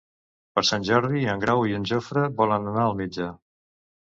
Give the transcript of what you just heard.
Per Sant Jordi en Grau i en Jofre volen anar al metge.